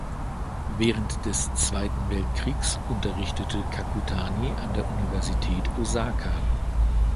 Während des Zweiten Weltkriegs unterrichtete Kakutani an der Universität Osaka.